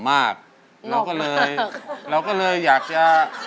ห่อมมากค่ะแล้วก็เลยเราก็เลยอยากจะ